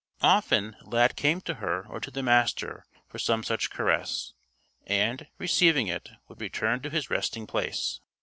Often, Lad came to her or to the Master for some such caress; and, receiving it, would return to his resting place.